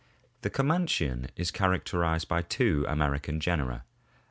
The Comanchian is characterized by two American genera, Fig.